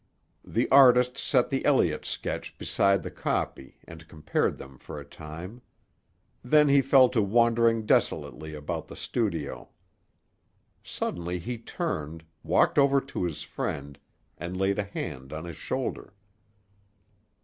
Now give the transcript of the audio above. The artist set the Elliott sketch beside the copy, and compared them for a time. Then he fell to wandering desolately about the studio. Suddenly he turned, walked over to his friend, and laid a hand on his shoulder.